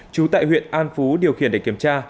trú tại huyện an phú điều khiển để kiểm tra